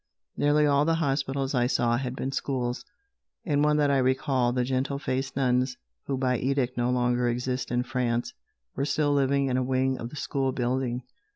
Nearly all the hospitals I saw had been schools. In one that I recall, the gentle faced nuns, who by edict no longer exist in France, were still living in a wing of the school building.